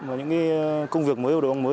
và những công việc mới của đội bóng mới